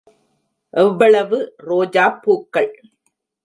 எவ்வளவு ரோஜாப் பூக்கள்!